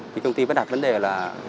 thì công ty vẫn đặt vấn đề là